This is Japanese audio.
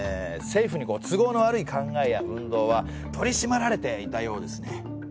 政府に都合の悪い考えや運動は取りしまられていたようですね。